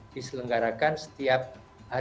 diselenggarakan setiap hari